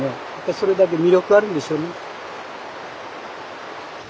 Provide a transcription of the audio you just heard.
それだけ魅力あるんでしょうね。